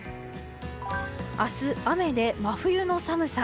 明日、雨で真冬の寒さ。